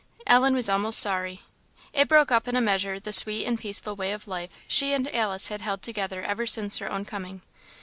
Ellen was almost sorry; it broke up in a measure the sweet and peaceful way of life she and Alice had held together ever since her own coming.